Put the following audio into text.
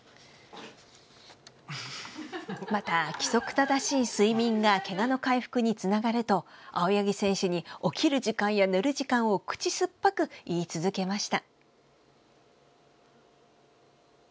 また、規則正しい睡眠がけがの回復につながると青柳選手に起きる時間や寝る時間を口酸っぱく言い続けました。